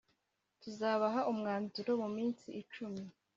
tuzabaha umwanzuro mu minsi icumi.